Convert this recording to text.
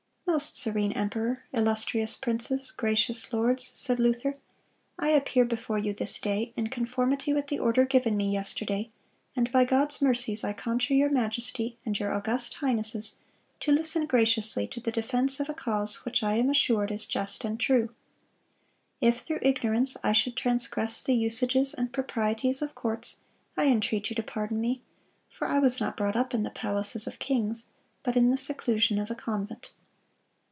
"Most serene emperor, illustrious princes, gracious lords," said Luther, "I appear before you this day, in conformity with the order given me yesterday, and by God's mercies I conjure your majesty and your august highnesses to listen graciously to the defense of a cause which I am assured is just and true. If, through ignorance, I should transgress the usages and proprieties of courts, I entreat you to pardon me; for I was not brought up in the palaces of kings, but in the seclusion of a convent."